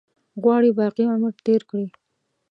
غواړي باقي عمر تېر کړي.